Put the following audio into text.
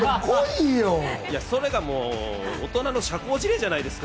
それがもう大人の社交辞令じゃないですか。